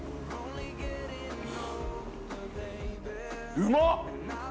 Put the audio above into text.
うまっ！